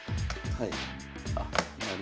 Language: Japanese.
はい。